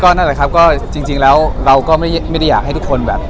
นั่นแหละครับก็จริงแล้วเราก็ไม่ได้อยากให้ทุกคนแบบ